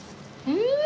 うん！